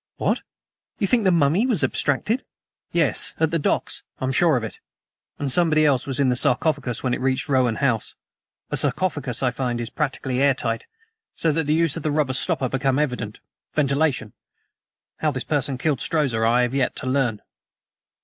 "What! You think the mummy was abstracted?" "Yes, at the docks. I am sure of it; and somebody else was in the sarcophagus when it reached Rowan House. A sarcophagus, I find, is practically airtight, so that the use of the rubber stopper becomes evident ventilation. How this person killed Strozza I have yet to learn."